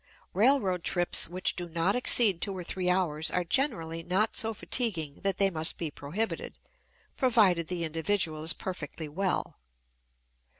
Railroad trips which do not exceed two or three hours are generally not so fatiguing that they must be prohibited, provided the individual is perfectly well.